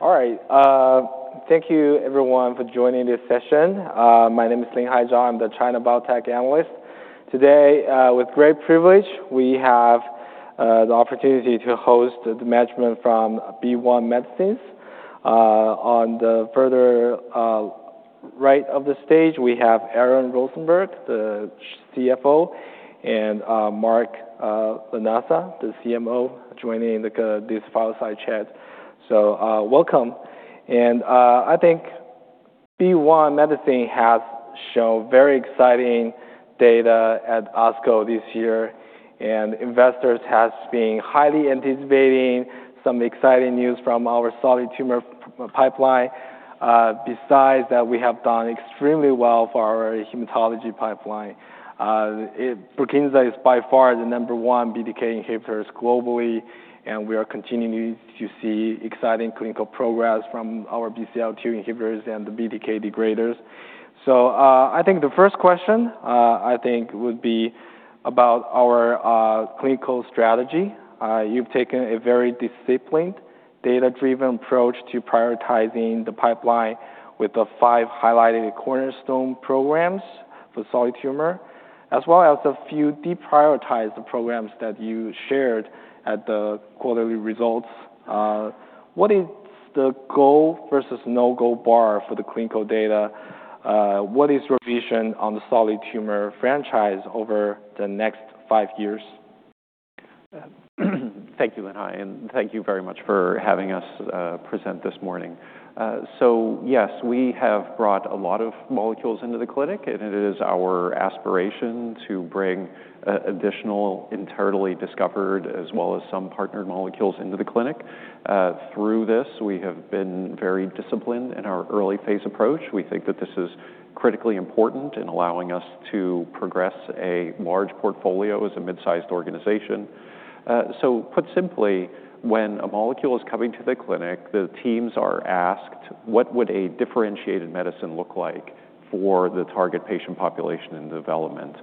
All right. Thank you everyone for joining this session. My name is Linhai Zhao. I am the China biotech analyst. Today, with great privilege, we have the opportunity to host the management from BeOne Medicines. On the further right of the stage, we have Aaron Rosenberg, the CFO, and Mark Lanasa, the CMO, joining this fireside chat. Welcome. I think BeOne Medicines has shown very exciting data at ASCO this year, and investors have been highly anticipating some exciting news from our solid tumor pipeline. Besides that, we have done extremely well for our hematology pipeline. BRUKINSA is by far the number 1 BTK inhibitor globally, and we are continuing to see exciting clinical progress from our BCL-2 inhibitors and the BTK degraders. I think the first question would be about our clinical strategy. You have taken a very disciplined, data-driven approach to prioritizing the pipeline with the five highlighted cornerstone programs for solid tumor, as well as a few deprioritized programs that you shared at the quarterly results. What is the go versus no-go bar for the clinical data? What is your vision on the solid tumor franchise over the next five years? Thank you, Linhai, and thank you very much for having us present this morning. Yes, we have brought a lot of molecules into the clinic, and it is our aspiration to bring additional internally discovered as well as some partnered molecules into the clinic. Through this, we have been very disciplined in our early phase approach. We think that this is critically important in allowing us to progress a large portfolio as a mid-sized organization. Put simply, when a molecule is coming to the clinic, the teams are asked, what would a differentiated medicine look like for the target patient population in development?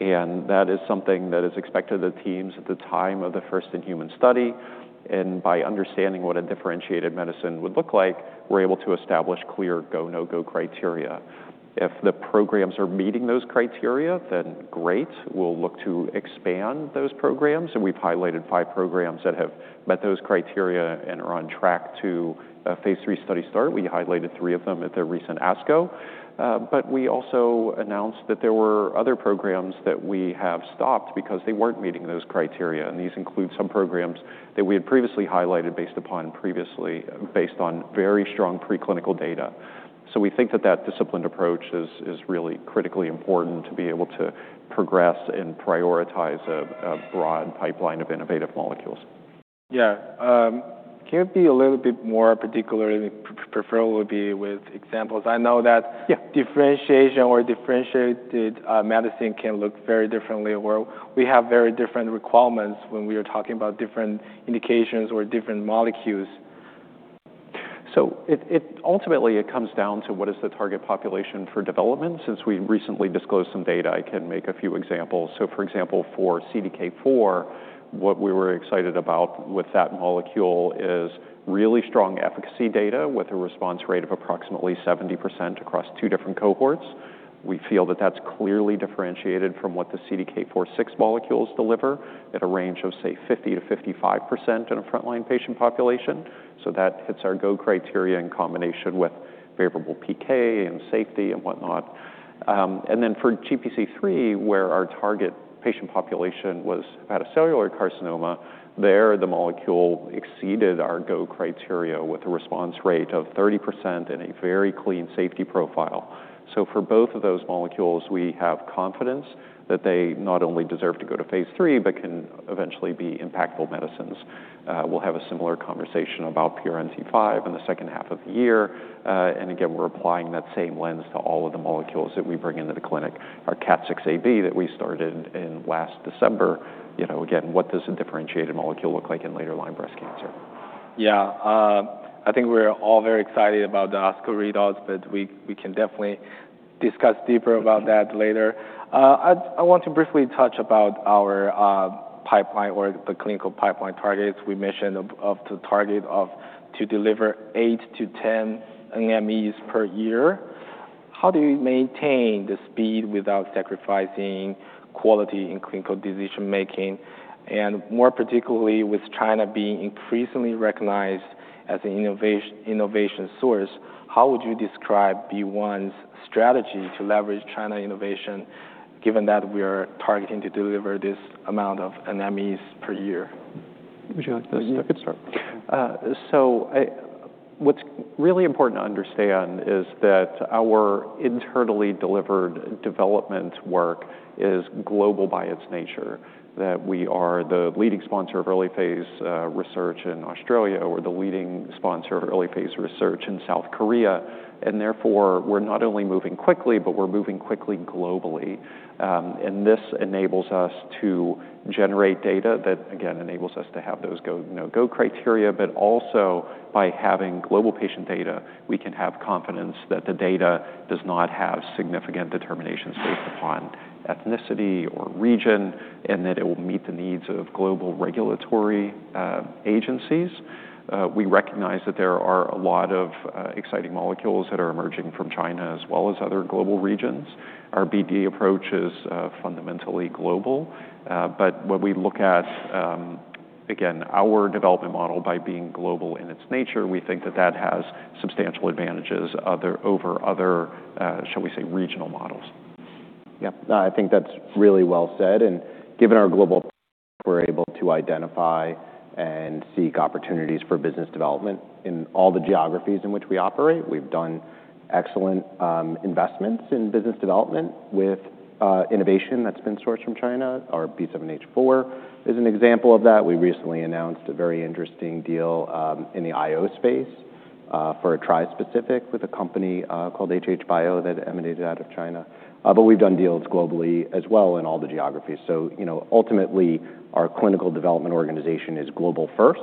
That is something that is expected of the teams at the time of the first-in-human study, and by understanding what a differentiated medicine would look like, we are able to establish clear go, no-go criteria. If the programs are meeting those criteria, then great. We will look to expand those programs, and we have highlighted five programs that have met those criteria and are on track to a phase III study start. We highlighted three of them at the recent ASCO. We also announced that there were three programs that we have stopped because they were not meeting those criteria, and these include some programs that we had previously highlighted based upon very strong preclinical data. We think that that disciplined approach is really critically important to be able to progress and prioritize a broad pipeline of innovative molecules. Yeah. Can it be a little bit more particular, and preferably with examples. I know that- Yeah - the differentiation or differentiated medicine can look very differently, or we have very different requirements when we are talking about different indications or different molecules. Ultimately, it comes down to what is the target population for development. Since we recently disclosed some data, I can make a few examples. For example, for CDK4, what we were excited about with that molecule is really strong efficacy data with a response rate of approximately 70% across two different cohorts. We feel that that's clearly differentiated from what the CDK4/6 molecules deliver at a range of, say, 50%-55% in a frontline patient population. That hits our go criteria in combination with favorable PK and safety and whatnot. For GPC3, where our target patient population was hepatocellular carcinoma, there the molecule exceeded our go criteria with a response rate of 30% and a very clean safety profile. For both of those molecules, we have confidence that they not only deserve to go to phase III but can eventually be impactful medicines. We'll have a similar conversation about PRMT5 in the H2 of the year. Again, we're applying that same lens to all of the molecules that we bring into the clinic. Our KAT6A/B that we started in last December, again, what does a differentiated molecule look like in later-line breast cancer? I think we're all very excited about the ASCO readouts, but we can definitely discuss deeper about that later. I want to briefly touch about our pipeline or the clinical pipeline targets. We mentioned the target to deliver eight to 10 NMEs per year. How do you maintain the speed without sacrificing quality in clinical decision-making? More particularly, with China being increasingly recognized as an innovation source, how would you describe BeOne Medicines' strategy to leverage China innovation given that we are targeting to deliver this amount of NMEs per year? Would you like this? Yeah. I could start. What's really important to understand is that our internally delivered development work is global by its nature, that we are the leading sponsor of early phase research in Australia. We're the leading sponsor of early phase research in South Korea, therefore, we're not only moving quickly, but we're moving quickly globally. This enables us to generate data that again, enables us to have those go, no-go criteria. Also by having global patient data, we can have confidence that the data does not have significant determinations based upon ethnicity or region, and that it will meet the needs of global regulatory agencies. We recognize that there are a lot of exciting molecules that are emerging from China as well as other global regions. Our BD approach is fundamentally global. Again, our development model by being global in its nature, we think that that has substantial advantages over other, shall we say, regional models. Given our global we're able to identify and seek opportunities for business development in all the geographies in which we operate. We've done excellent investments in business development with innovation that's been sourced from China. Our B7-H4 is an example of that. We recently announced a very interesting deal in the IO space for a trispecific with a company called HH Bio that emanated out of China. We've done deals globally as well in all the geographies. Ultimately, our clinical development organization is global first,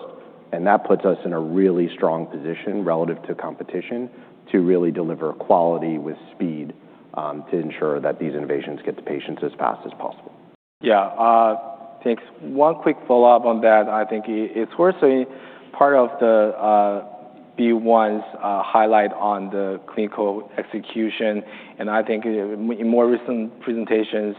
and that puts us in a really strong position relative to competition to really deliver quality with speed to ensure that these innovations get to patients as fast as possible. Thanks. One quick follow-up on that. I think it's worth saying part of BeOne's highlight on the clinical execution, and I think in more recent presentations,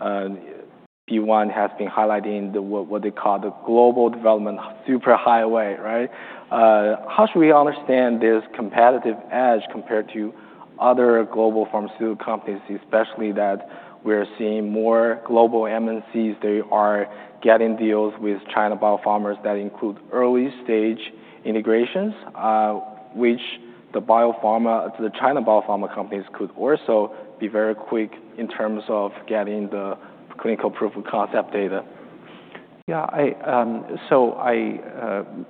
BeOne has been highlighting what they call the global development super highway. How should we understand this competitive edge compared to other global pharmaceutical companies, especially that we're seeing more global MNCs, they are getting deals with China biopharmas that include early-stage integrations which the China biopharma companies could also be very quick in terms of getting the clinical proof of concept data? I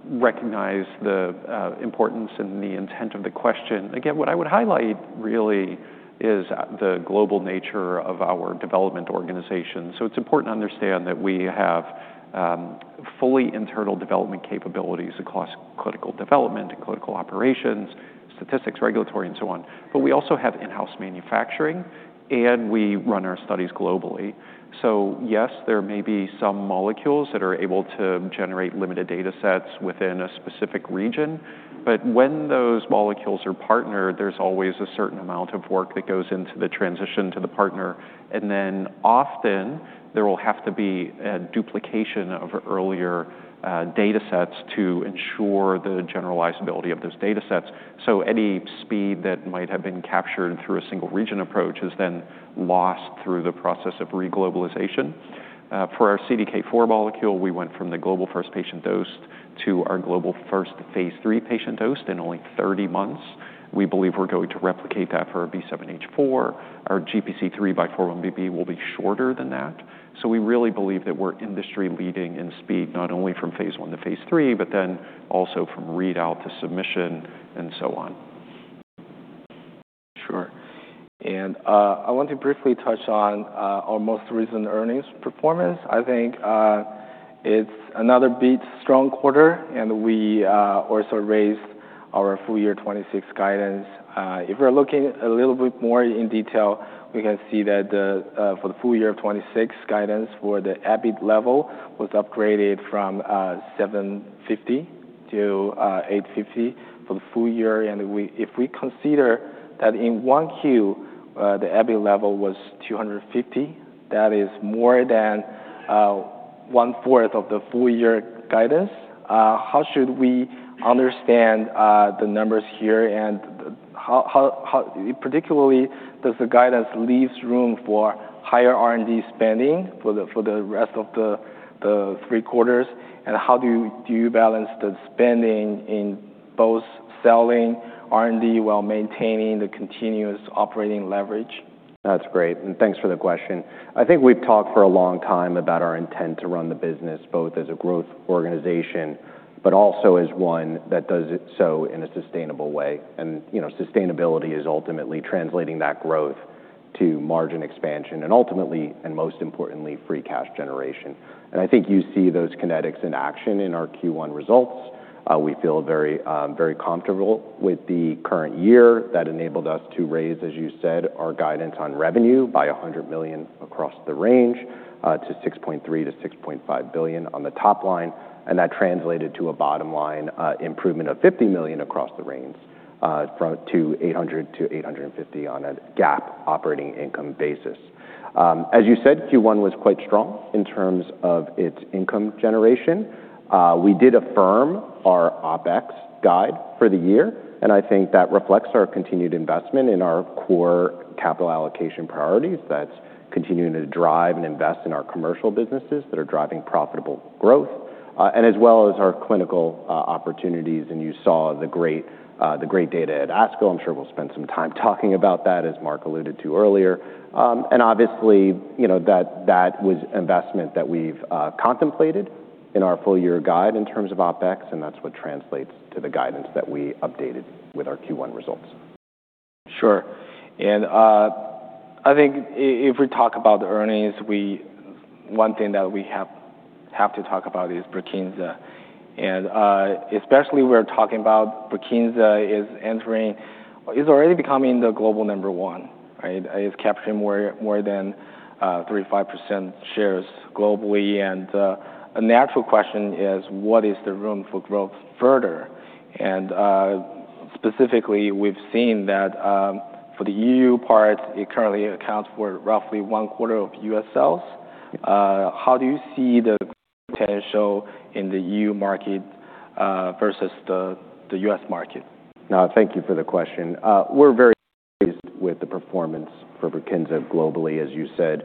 recognize the importance and the intent of the question. Again, what I would highlight really is the global nature of our development organization. It's important to understand that we have fully internal development capabilities across critical development and clinical operations, statistics, regulatory and so on. We also have in-house manufacturing, and we run our studies globally. Yes, there may be some molecules that are able to generate limited data sets within a specific region. When those molecules are partnered, there's always a certain amount of work that goes into the transition to the partner. Then often there will have to be a duplication of earlier data sets to ensure the generalizability of those data sets. Any speed that might have been captured through a single region approach is then lost through the process of re-globalization. For our CDK4 molecule, we went from the global first patient dose to our global first phase III patient dose in only 30 months. We believe we're going to replicate that for our B7-H4. Our GPC3 by 4-1BB will be shorter than that. We really believe that we're industry leading in speed, not only from phase I to phase III, then also from readout to submission and so on. Sure. I want to briefly touch on our most recent earnings performance. I think it's another beat, strong quarter, and we also raised our full year 2026 guidance. If we're looking a little bit more in detail, we can see that for the full year 2026 guidance for the EBIT level was upgraded from $750 million to $850 million for the full year. If we consider that in Q1, the EBIT level was $250 million, that is more than 1/4 of the full year guidance. How should we understand the numbers here, and particularly does the guidance leave room for higher R&D spending for the rest of the three quarters, and how do you balance the spending in both selling R&D while maintaining the continuous operating leverage? That's great. Thanks for the question. I think we've talked for a long time about our intent to run the business both as a growth organization, but also as one that does it so in a sustainable way. Sustainability is ultimately translating that growth to margin expansion and ultimately, and most importantly, free cash generation. I think you see those kinetics in action in our Q1 results. We feel very comfortable with the current year that enabled us to raise, as you said, our guidance on revenue by $100 million across the range to $6.3 billion-$6.5 billion on the top line, and that translated to a bottom-line improvement of $50 million across the range to $800 million-$850 million on a GAAP operating income basis. As you said, Q1 was quite strong in terms of its income generation. We did affirm our OpEx guide for the year, and I think that reflects our continued investment in our core capital allocation priorities that's continuing to drive and invest in our commercial businesses that are driving profitable growth, and as well as our clinical opportunities. You saw the great data at ASCO. I'm sure we'll spend some time talking about that, as Mark alluded to earlier. Obviously, that was investment that we've contemplated in our full year guide in terms of OpEx, and that's what translates to the guidance that we updated with our Q1 results. Sure. I think if we talk about the earnings, one thing that we have to talk about is BRUKINSA. Especially we're talking about BRUKINSA is already becoming the global number one. It's capturing more than 35% shares globally, a natural question is what is the room for growth further? Specifically, we've seen that for the EU part, it currently accounts for roughly one-quarter of U.S. sales. How do you see the potential in the EU market versus the U.S. market? No, thank you for the question. We're very pleased with the performance for BRUKINSA globally. As you said,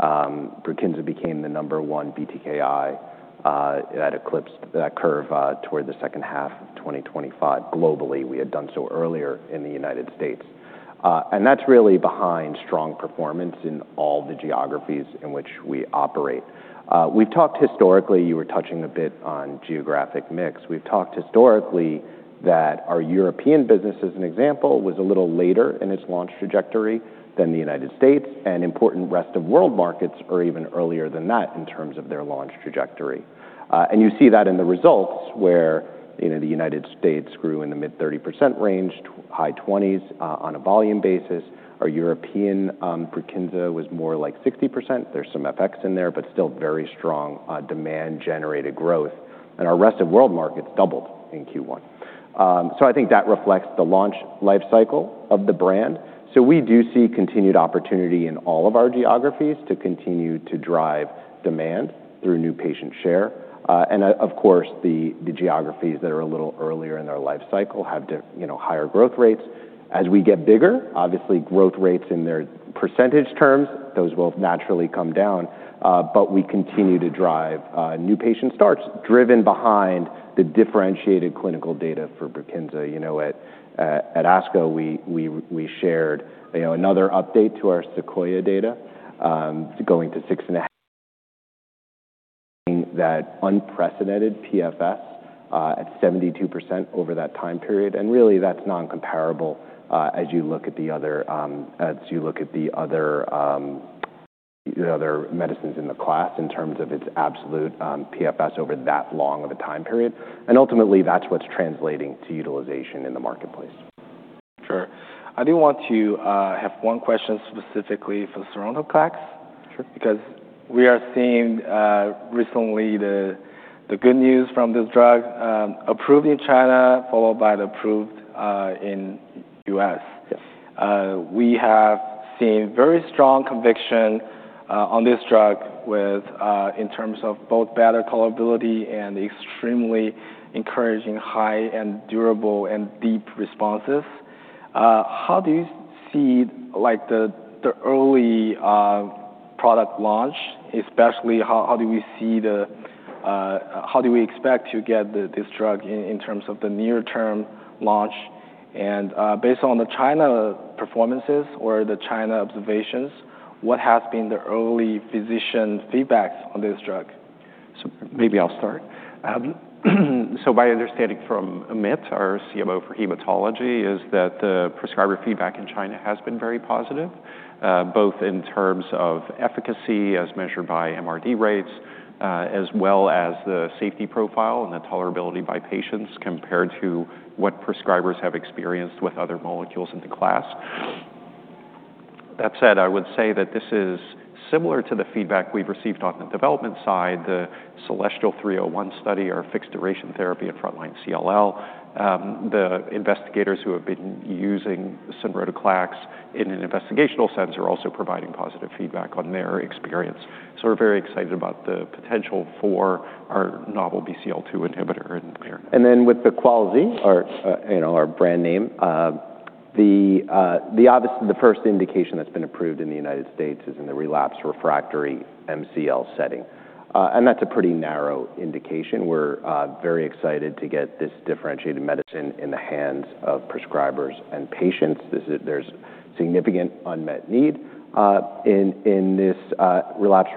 BRUKINSA became the number one BTKI that eclipsed that curve toward the H2 of 2025 globally. We had done so earlier in the United States. That's really behind strong performance in all the geographies in which we operate. We've talked historically, you were touching a bit on geographic mix. We've talked historically that our European business, as an example, was a little later in its launch trajectory than the United States, and important rest-of-world markets are even earlier than that in terms of their launch trajectory. You see that in the results where the United States grew in the mid-30% range, high 20s on a volume basis. Our European BRUKINSA was more like 60%. There's some FX in there, but still very strong demand-generated growth. Our rest-of-world markets doubled in Q1. I think that reflects the launch life cycle of the brand. We do see continued opportunity in all of our geographies to continue to drive demand through new patient share. Of course, the geographies that are a little earlier in their life cycle have higher growth rates. As we get bigger, obviously, growth rates in their percentage terms, those will naturally come down. We continue to drive new patient starts, driven behind the differentiated clinical data for BRUKINSA. At ASCO, we shared another update to our SEQUOIA data, going to six and a half years, seeing that unprecedented PFS at 72% over that time period. Really, that's non-comparable as you look at the other medicines in the class in terms of its absolute PFS over that long of a time period. Ultimately, that's what's translating to utilization in the marketplace. Sure. I do want to have one question specifically for the sonrotoclax. Sure. We are seeing recently the good news from this drug approved in China, followed by the approved in U.S. Yes. We have seen very strong conviction on this drug in terms of both better tolerability and extremely encouraging high and durable and deep responses. How do you see the early product launch? Especially, how do we expect to get this drug in terms of the near-term launch? Based on the China performances or the China observations, what has been the early physician feedback on this drug? Maybe I'll start. My understanding from Amit, our CMO for hematology, is that the prescriber feedback in China has been very positive, both in terms of efficacy as measured by MRD rates, as well as the safety profile and the tolerability by patients compared to what prescribers have experienced with other molecules in the class. That said, I would say that this is similar to the feedback we've received on the development side, the CELESTIAL-301 study, our fixed duration therapy in frontline CLL. The investigators who have been using sonrotoclax in an investigational sense are also providing positive feedback on their experience. We're very excited about the potential for our novel BCL-2 inhibitor in CLL. Then with Beqalzi, our brand name, obviously the first indication that's been approved in the United States is in the relapse refractory MCL setting. That's a pretty narrow indication. We're very excited to get this differentiated medicine in the hands of prescribers and patients. There's significant unmet need in this relapse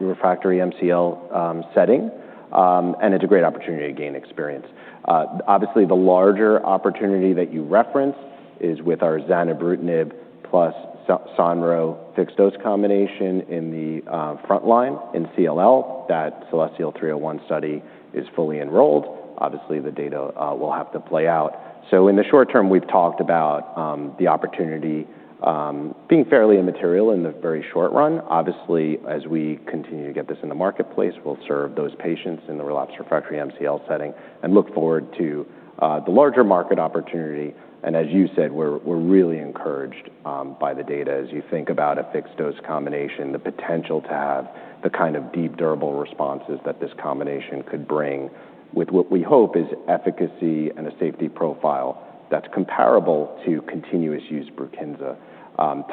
refractory MCL setting, and it's a great opportunity to gain experience. Obviously, the larger opportunity that you referenced is with our zanubrutinib plus sonro fixed-dose combination in the frontline in CLL. That CELESTIAL-301 study is fully enrolled. Obviously, the data will have to play out. In the short term, we've talked about the opportunity being fairly immaterial in the very short run. Obviously, as we continue to get this in the marketplace, we'll serve those patients in the relapse refractory MCL setting and look forward to the larger market opportunity. As you said, we're really encouraged by the data. As you think about a fixed-dose combination, the potential to have the kind of deep, durable responses that this combination could bring with what we hope is efficacy and a safety profile that's comparable to continuous-use BRUKINSA.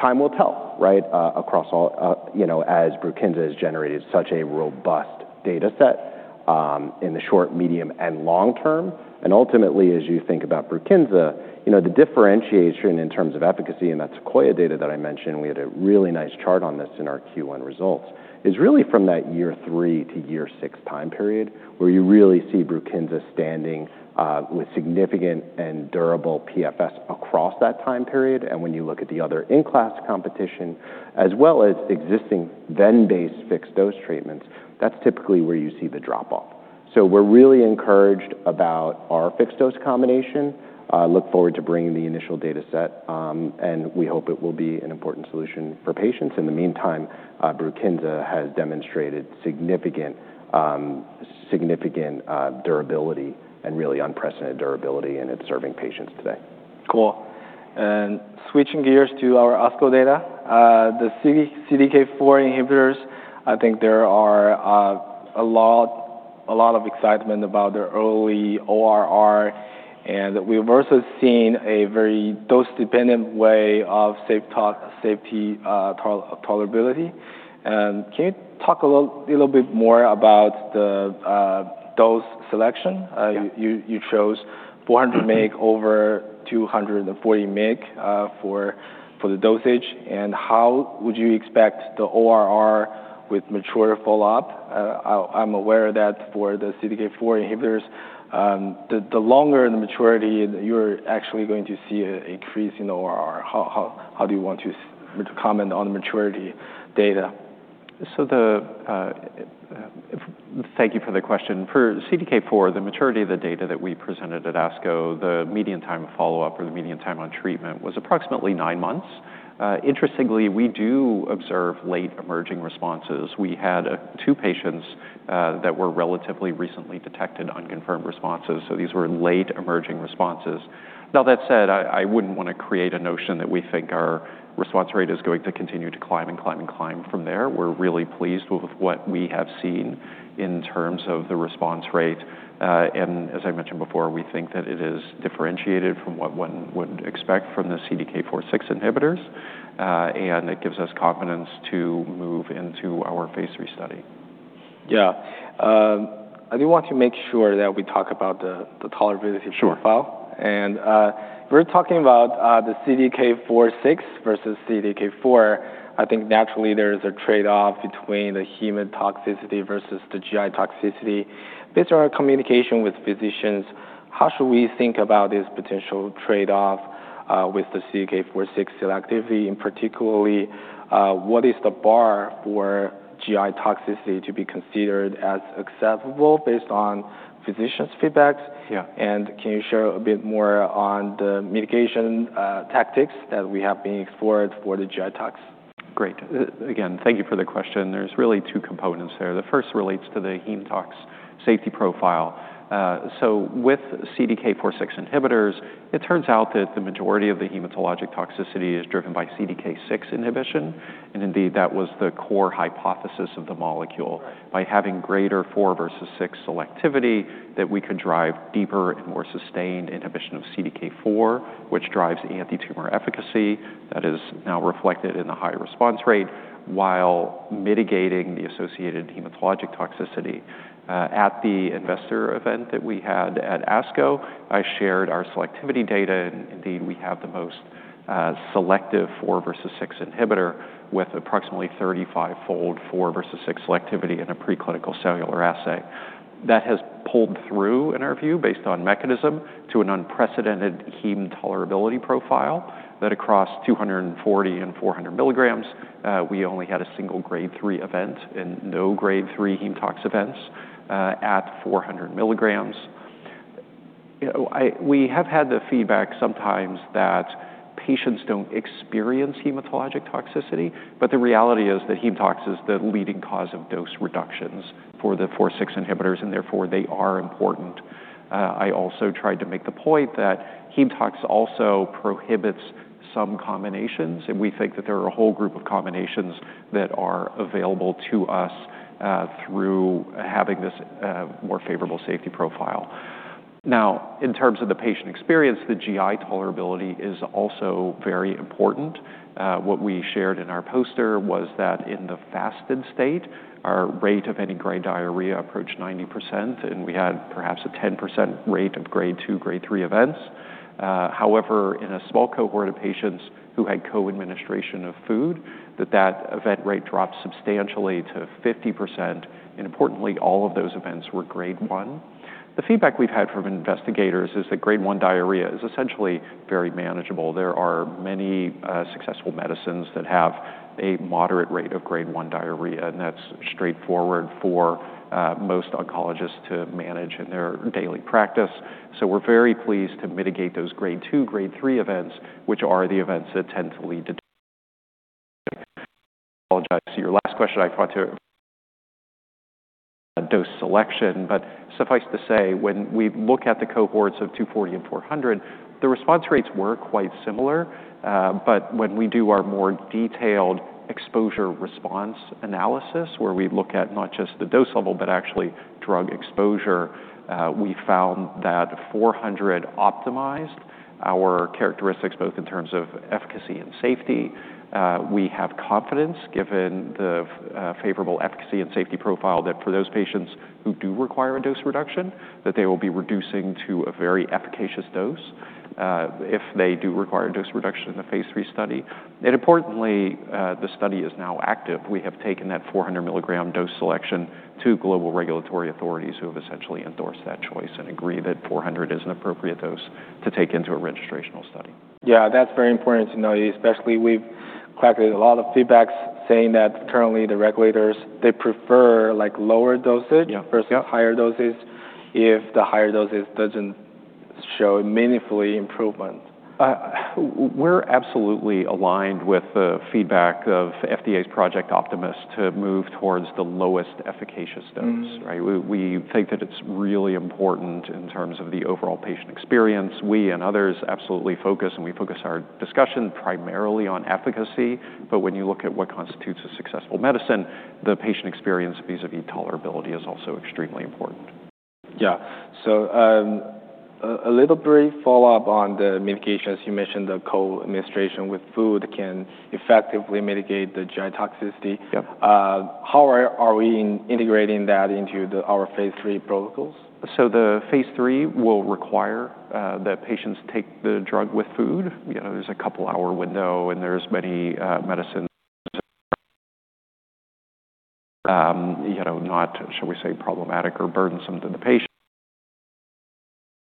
Time will tell, right, as BRUKINSA has generated such a robust data set in the short, medium, and long term. Ultimately, as you think about BRUKINSA, the differentiation in terms of efficacy, and that SEQUOIA data that I mentioned, we had a really nice chart on this in our Q1 results, is really from that year three to year six time period where you really see BRUKINSA standing with significant and durable PFS across that time period. When you look at the other in-class competition, as well as existing then-based fixed-dose treatments, that's typically where you see the drop-off. We're really encouraged about our fixed-dose combination. Look forward to bringing the initial data set, we hope it will be an important solution for patients. In the meantime, BRUKINSA has demonstrated significant durability and really unprecedented durability, it's serving patients today. Cool. Switching gears to our ASCO data, the CDK4 inhibitors, I think there are a lot of excitement about their early ORR, we've also seen a very dose-dependent way of safety tolerability. Can you talk a little bit more about the dose selection? Yeah. You chose 400 mg over 240 mg for the dosage. How would you expect the ORR with mature follow-up? I'm aware that for the CDK4 inhibitors, the longer the maturity, you're actually going to see an increase in ORR. How do you want to comment on the maturity data? Thank you for the question. For CDK4, the maturity of the data that we presented at ASCO, the median time of follow-up or the median time on treatment was approximately nine months. Interestingly, we do observe late emerging responses. We had two patients that were relatively recently detected unconfirmed responses, so these were late emerging responses. That said, I wouldn't want to create a notion that we think our response rate is going to continue to climb and climb and climb from there. We're really pleased with what we have seen in terms of the response rate. As I mentioned before, we think that it is differentiated from what one would expect from the CDK4/6 inhibitors, and it gives us confidence to move into our phase III study. Yeah. I do want to make sure that we talk about the tolerability profile. Sure. We're talking about the CDK4/6 versus CDK4. I think naturally there's a trade-off between the hematotoxicity versus the GI toxicity based on our communication with physicians. How should we think about this potential trade-off with the CDK4/6 selectivity? Particularly, what is the bar for GI toxicity to be considered as acceptable based on physicians' feedback? Yeah. Can you share a bit more on the mitigation tactics that we have been explored for the GI tox? Great. Again, thank you for the question. There's really two components there. The first relates to the hematotoxicity safety profile. With CDK4/6 inhibitors, it turns out that the majority of the hematologic toxicity is driven by CDK6 inhibition, and indeed, that was the core hypothesis of the molecule. By having greater 4 versus 6 selectivity that we could drive deeper and more sustained inhibition of CDK4, which drives anti-tumor efficacy that is now reflected in the high response rate while mitigating the associated hematologic toxicity. At the investor event that we had at ASCO, I shared our selectivity data. Indeed, we have the most selective 4 versus 6 inhibitor with approximately 35-fold 4 versus 6 selectivity in a preclinical cellular assay. That has pulled through, in our view, based on mechanism to an unprecedented hem tolerability profile that across 240 mg and 400 mg, we only had a single Grade 3 event and no Grade 3 hematotoxicity events at 400 mg. We have had the feedback sometimes that patients don't experience hematologic toxicity, but the reality is that hematotoxicity is the leading cause of dose reductions for the 4/6 inhibitors, and therefore, they are important. I also tried to make the point that hematotoxicity also prohibits some combinations, and we think that there are a whole group of combinations that are available to us through having this more favorable safety profile. In terms of the patient experience, the GI tolerability is also very important. What we shared in our poster was that in the fasted state, our rate of any grade diarrhea approached 90%, and we had perhaps a 10% rate of Grade 2, Grade 3 events. However, in a small cohort of patients who had co-administration of food, that event rate dropped substantially to 50%, and importantly, all of those events were Grade 1. The feedback we've had from investigators is that Grade 1 diarrhea is essentially very manageable. There are many successful medicines that have a moderate rate of Grade 1 diarrhea, and that's straightforward for most oncologists to manage in their daily practice. We're very pleased to mitigate those Grade 2, Grade 3 events, which are the events that tend to lead to. Your last question, dose selection. Suffice to say, when we look at the cohorts of 240 mg and 400 mg, the response rates were quite similar, but when we do our more detailed exposure-response analysis, where we look at not just the dose level, but actually drug exposure, we found that 400 mg optimized our characteristics both in terms of efficacy and safety. We have confidence given the favorable efficacy and safety profile, that for those patients who do require a dose reduction, that they will be reducing to a very efficacious dose if they do require a dose reduction in the phase III study. Importantly, the study is now active. We have taken that 400 mg dose selection to global regulatory authorities who have essentially endorsed that choice and agree that 400 mg is an appropriate dose to take into a registrational study. That's very important to know, especially we've collected a lot of feedback saying that currently the regulators, they prefer lower dosage- Yeah -versus higher doses if the higher doses doesn't show meaningfully improvement. We're absolutely aligned with the feedback of FDA's Project Optimus to move towards the lowest efficacious dose, right? We think that it's really important. In terms of the overall patient experience, we and others absolutely focus, and we focus our discussion primarily on efficacy. When you look at what constitutes a successful medicine, the patient experience vis-a-vis tolerability is also extremely important. A little brief follow-up on the medication. As you mentioned, the co-administration with food can effectively mitigate the GI toxicity. Yep. How are we integrating that into our phase III protocols? The phase III will require that patients take the drug with food. There is a couple-hour window, and there is many medicines that are not, shall we say, problematic or burdensome to the patient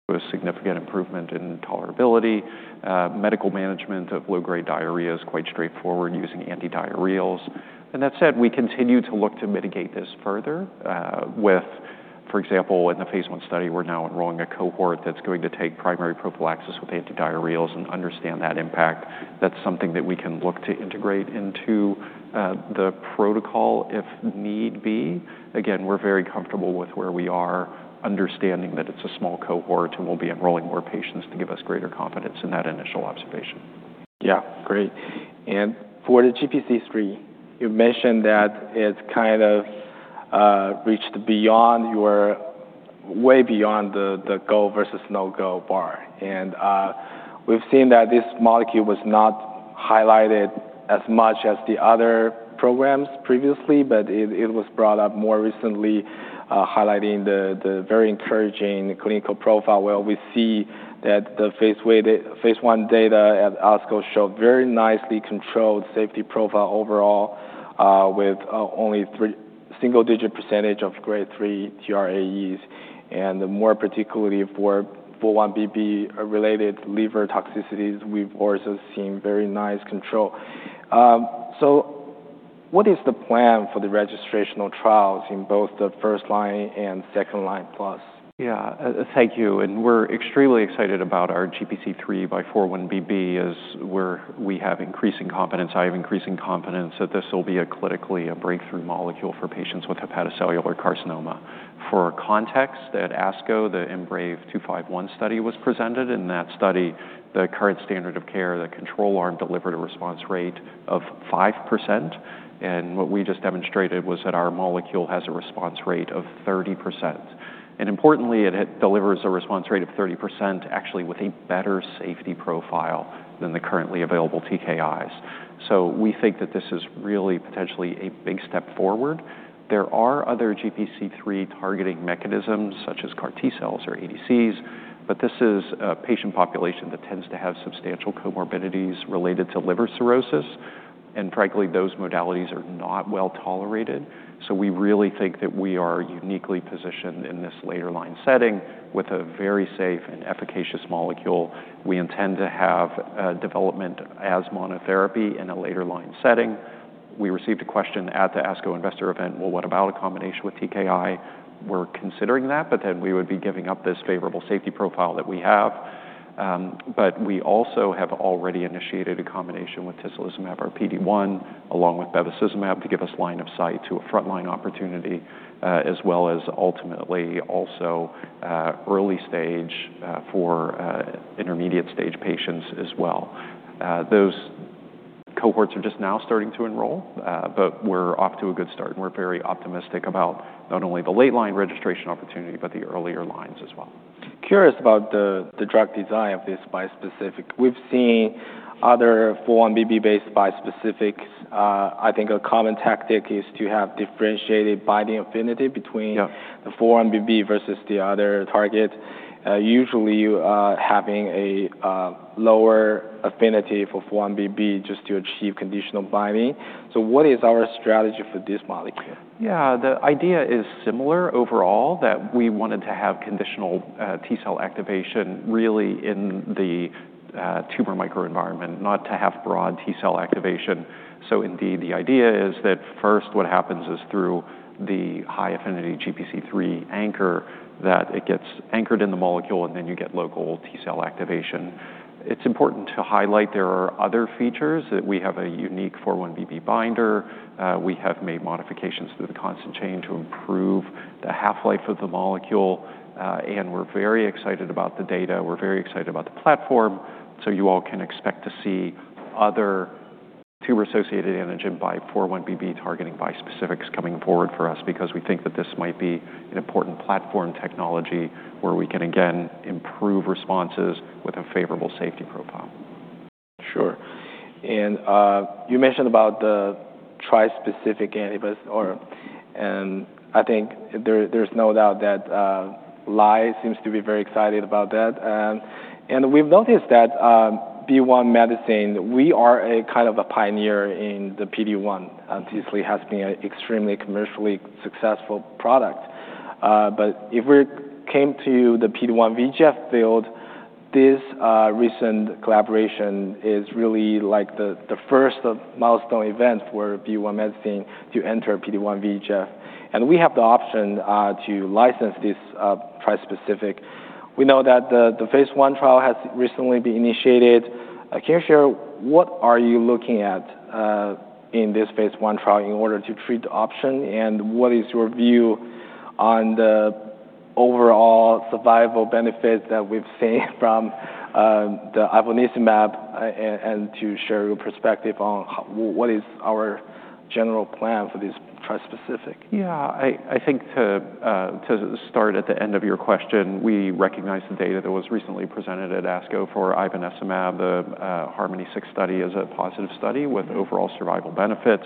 with significant improvement in tolerability. Medical management of low-grade diarrhea is quite straightforward using antidiarrheals. That said, we continue to look to mitigate this further with, for example, in the phase I study, we are now enrolling a cohort that is going to take primary prophylaxis with antidiarrheals and understand that impact. That is something that we can look to integrate into the protocol if need be. Again, we are very comfortable with where we are, understanding that it is a small cohort, and we will be enrolling more patients to give us greater confidence in that initial observation. Yeah. Great. For the GPC3, you mentioned that it is reached way beyond the go versus no-go bar. We have seen that this molecule was not highlighted as much as the other programs previously, but it was brought up more recently, highlighting the very encouraging clinical profile. We see that the phase I data at ASCO showed very nicely controlled safety profile overall with only single-digit percentage of grade 3 TRAEs. More particularly for 4-1BB-related liver toxicities, we have also seen very nice control. What is the plan for the registrational trials in both the first-line and second-line plus? Yeah. Thank you. We are extremely excited about our GPC3 by 4-1BB as we have increasing confidence, I have increasing confidence, that this will be a clinically breakthrough molecule for patients with hepatocellular carcinoma. For context, at ASCO, the IMbrave251 study was presented. In that study, the current standard of care, the control arm delivered a response rate of 5%, and what we just demonstrated was that our molecule has a response rate of 30%. Importantly, it delivers a response rate of 30% actually with a better safety profile than the currently available TKIs. We think that this is really potentially a big step forward. There are other GPC3 targeting mechanisms, such as CAR T-cells or ADCs, but this is a patient population that tends to have substantial comorbidities related to liver cirrhosis, and frankly, those modalities are not well-tolerated. We really think that we are uniquely positioned in this later line setting with a very safe and efficacious molecule. We intend to have development as monotherapy in a later line setting. We received a question at the ASCO investor event, well, what about a combination with TKI? We're considering that, we would be giving up this favorable safety profile that we have. We also have already initiated a combination with tislelizumab, our PD-1, along with bevacizumab to give us line of sight to a frontline opportunity, as well as ultimately also early stage for intermediate stage patients as well. Those cohorts are just now starting to enroll, we're off to a good start, and we're very optimistic about not only the late line registration opportunity, but the earlier lines as well. Curious about the drug design of this bispecific. We've seen other 4-1BB based bispecifics. I think a common tactic is to have differentiated binding affinity- Yeah -between the 4-1BB versus the other target. Usually, you are having a lower affinity for 4-1BB just to achieve conditional binding. What is our strategy for this molecule? The idea is similar overall, that we wanted to have conditional T-cell activation really in the tumor microenvironment, not to have broad T-cell activation. Indeed, the idea is that first what happens is through the high-affinity GPC3 anchor, that it gets anchored in the molecule and then you get local T-cell activation. It's important to highlight there are other features. That we have a unique 4-1BB binder. We have made modifications to the constant chain to improve the half-life of the molecule. We're very excited about the data, we're very excited about the platform. You all can expect to see other tumor-associated antigen by 4-1BB targeting bispecifics coming forward for us because we think that this might be an important platform technology where we can, again, improve responses with a favorable safety profile. You mentioned about the trispecific antibodies. I think there's no doubt that life seems to be very excited about that. We've noticed that BeOne Medicines, we are a kind of a pioneer in the PD-1. TEVIMBRA has been an extremely commercially successful product. If we came to the PD-1 VEGF field, this recent collaboration is really the first milestone event for BeOne Medicines to enter PD-1 VEGF, and we have the option to license this trispecific. We know that the phase I trial has recently been initiated. Can you share what are you looking at in this phase I trial in order to treat the option, and what is your view on the overall survival benefits that we've seen from the ivonesimab, and to share your perspective on what is our general plan for these trispecific. I think to start at the end of your question, we recognize the data that was recently presented at ASCO for ivonesimab. The HARMONi-6 study is a positive study with overall survival benefit.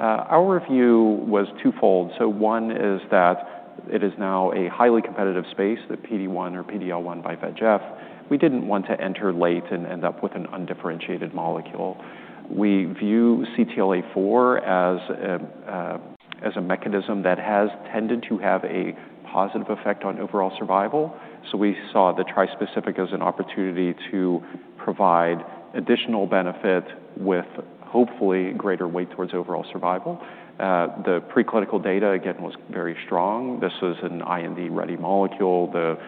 Our review was twofold. One is that it is now a highly competitive space, the PD-1 or PD-L1 VEGF. We didn't want to enter late and end up with an undifferentiated molecule. We view CTLA-4 as a mechanism that has tended to have a positive effect on overall survival, so we saw the trispecific as an opportunity to provide additional benefit with hopefully greater weight towards overall survival. The pre-clinical data, again, was very strong. This is an IND-ready molecule. The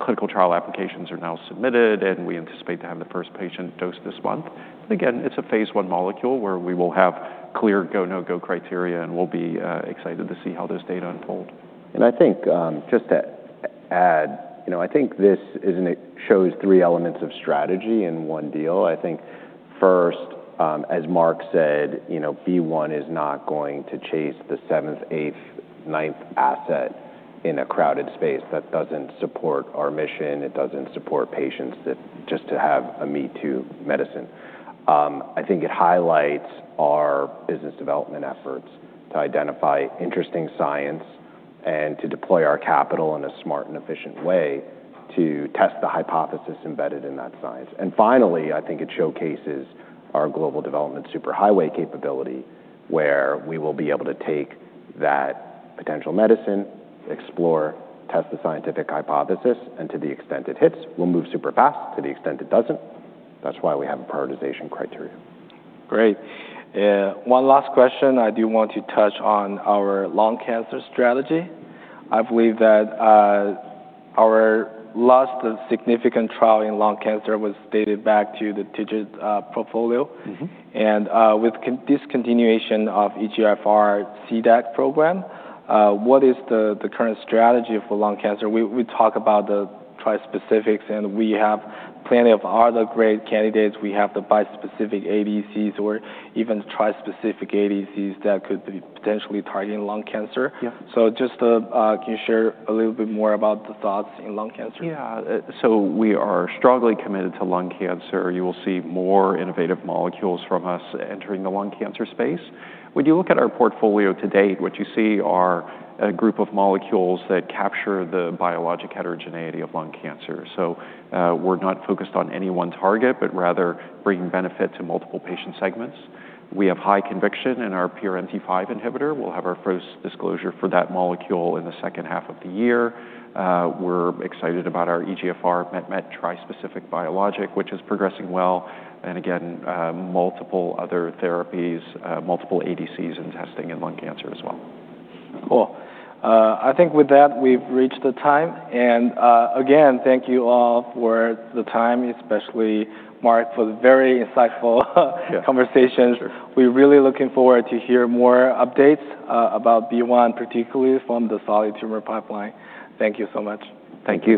clinical trial applications are now submitted, and we anticipate to have the first patient dosed this month. Again, it's a phase I molecule where we will have clear go, no-go criteria, we'll be excited to see how this data unfold. I think, just to add, I think this shows three elements of strategy in one deal. First, as Mark said, BeOne Medicines is not going to chase the seventh, eighth, ninth asset in a crowded space. That doesn't support our mission. It doesn't support patients just to have a me-too medicine. I think it highlights our business development efforts to identify interesting science and to deploy our capital in a smart and efficient way to test the hypothesis embedded in that science. Finally, I think it showcases our global development superhighway capability, where we will be able to take that potential medicine, explore, test the scientific hypothesis, to the extent it hits, we'll move super fast. To the extent it doesn't, that's why we have a prioritization criteria. Great. One last question. I do want to touch on our lung cancer strategy. I believe that our last significant trial in lung cancer was dated back to the TIGIT portfolio. With discontinuation of EGFR CDAC program, what is the current strategy for lung cancer? We talk about the tri-specifics, and we have plenty of other great candidates. We have the bispecific ADCs or even trispecific ADCs that could be potentially targeting lung cancer. Yeah. Just can you share a little bit more about the thoughts in lung cancer? Yeah. We are strongly committed to lung cancer. You will see more innovative molecules from us entering the lung cancer space. When you look at our portfolio to date, what you see are a group of molecules that capture the biologic heterogeneity of lung cancer. We're not focused on any one target, but rather bringing benefit to multiple patient segments. We have high conviction in our PRMT5 inhibitor. We'll have our first disclosure for that molecule in the H2 of the year. We're excited about our EGFR MET-MET trispecific biologic, which is progressing well. Again, multiple other therapies, multiple ADCs in testing in lung cancer as well. Cool. I think with that, we've reached the time. Again, thank you all for the time, especially Mark, for the very insightful conversations. Sure. We're really looking forward to hear more updates about BeOne Medicines, particularly from the solid tumor pipeline. Thank you so much. Thank you